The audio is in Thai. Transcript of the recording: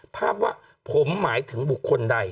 ภาพว่าผมหมายถึงบุคคลใด